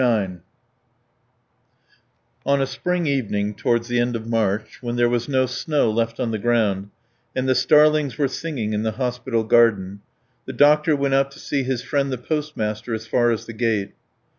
IX On a spring evening towards the end of March, when there was no snow left on the ground and the starlings were singing in the hospital garden, the doctor went out to see his friend the postmaster as far as the gate.